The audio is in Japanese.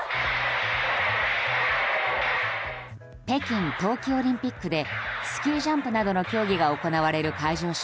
北京冬季オリンピックでスキージャンプなどの競技が行われる会場